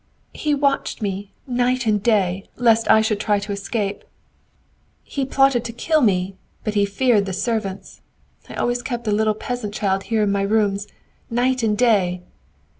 "He watched me, night and day, lest I should try to escape! He plotted to kill me, but he feared the servants. I always kept a little peasant child here in my rooms, night and day.